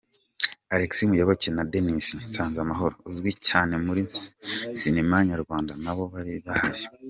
Alex Muyoboke na Dennis Nsanzamahoro uzwi cyane muri sinema nyarwanda nabo bari bahari.